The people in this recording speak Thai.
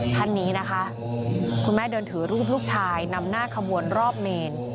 ท่านนี้นะคะคุณแม่เดินถือรูปลูกชายนำหน้าขบวนรอบเมน